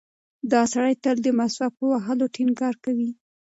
دا سړی تل د مسواک په وهلو ټینګار کوي.